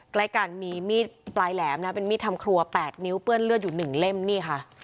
ใกล้กันมีมีดปลายแหลมนะเป็นมีดทำครัว๘นิ้วเปื้อนเลือดอยู่๑เล่มนี่ค่ะ